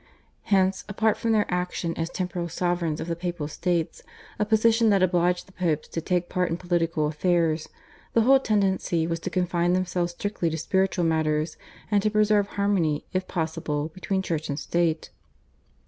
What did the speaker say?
Hence apart from their action as temporal sovereigns of the Papal States, a position that obliged the Popes to take part in political affairs, the whole tendency was to confine themselves strictly to spiritual matters, and to preserve harmony if possible between Church and State.